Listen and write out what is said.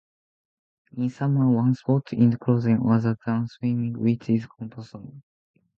In summer, one sport is chosen other than swimming, which is compulsory.